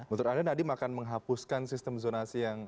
menurut anda tadi makan menghapuskan sistem zonasi yang